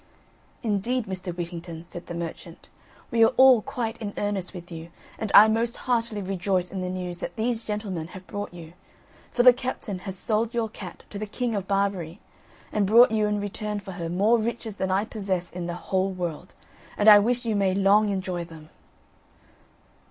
"Indeed, Mr. Whittington," said the merchant, "we are all quite in earnest with you, and I most heartily rejoice in the news that these gentlemen have brought you; for the captain has sold your cat to the King of Barbary, and brought you in return for her more riches than I possess in the whole world; and I wish you may long enjoy them!"